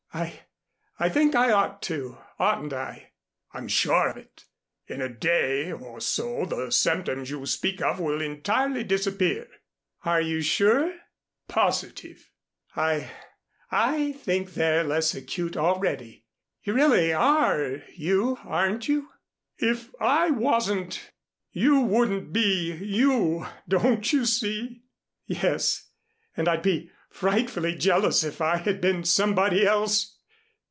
"I I think I ought to, oughtn't I?" "I'm sure of it. In a day or so the symptoms you speak of will entirely disappear." "Are you sure?" "Positive." "I I think they're less acute already. You really are you, aren't you?" "If I wasn't, you wouldn't be you, don't you see?" "Yes, and I'd be frightfully jealous if I had been somebody else."